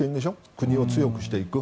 国を強くしていく。